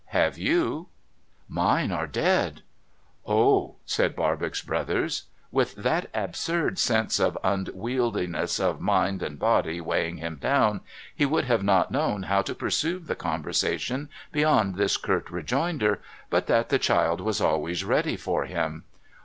Have you ?'* Mine are dead.' * Oh !' said Barbox Brothers. With that absurd sense of un wieldiness of mind and body weighing him down, he would have not known how to pursue the conversation beyond this curt rejoinder, but that the child was always ready for him.